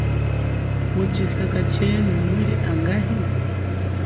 Mutshisaka tshenu nuli angahi.